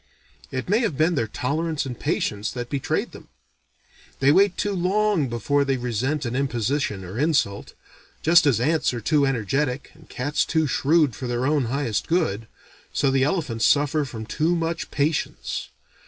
It may have been their tolerance and patience that betrayed them. They wait too long before they resent an imposition or insult. Just as ants are too energetic and cats too shrewd for their own highest good, so the elephants suffer from too much patience.